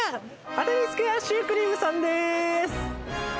熱海スクエアシュークリームさんです。